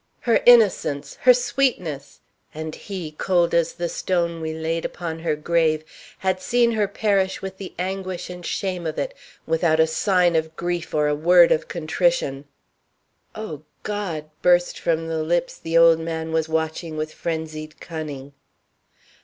"Her innocence! Her sweetness! And he, cold as the stone we laid upon her grave, had seen her perish with the anguish and shame of it, without a sign of grief or a word of contrition." "O God!" burst from lips the old man was watching with frenzied cunning.